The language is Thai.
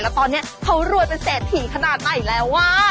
แล้วตอนนี้เขารวดเป็นเสถียร์ขนาดไหนแล้วว้าว